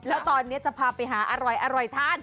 แล้วตอนนี้จะพาไปหาอร่อยทาน